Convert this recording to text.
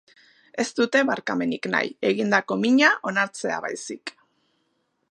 Ez dute barkamenik nahi, egindako mina onartzea baizik.